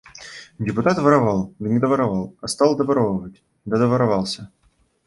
Депутат воровал, да не доворовал, а стал доворовывать, да доворовался.